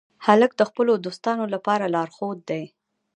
هلک د خپلو دوستانو لپاره لارښود دی.